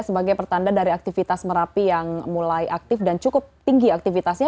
sebagai pertanda dari aktivitas merapi yang mulai aktif dan cukup tinggi aktivitasnya